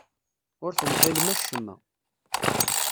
Ur temḍilem acemma.